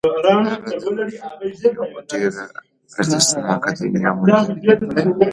هغه د غږ یوه ډېره ارزښتناکه دنیا موندلې وه